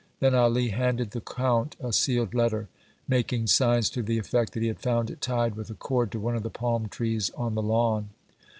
Then Ali handed the Count a sealed letter, making signs to the effect that he had found it tied with a cord to one of the palm trees on the lawn.